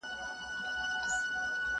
چي له چا به مولوي وي اورېدلې،